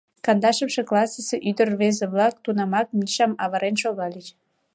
Кандашымше классысе ӱдыр-рвезе-влак тунамак Мишам авырен шогальыч.